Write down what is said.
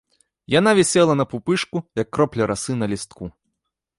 Яна вісела на пупышку, як кропля расы на лістку.